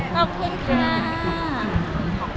ขอบคุณค่ะ